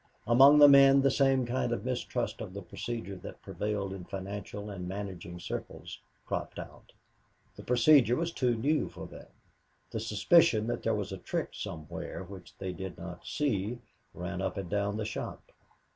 Among the men the same kind of mistrust of the procedure that prevailed in financial and managing circles cropped out. The procedure was too new for them; and the suspicion that there was a trick somewhere which they did not see, ran up and down the shop.